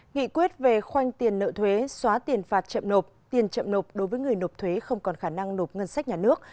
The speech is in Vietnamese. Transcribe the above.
nghị quyết về khoanh tiền nợ thuế xóa tiền phạt chậm nộp tiền chậm nộp đối với người nộp thuế không còn khả năng nộp ngân sách nhà nước